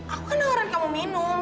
aku kadang orang kamu minum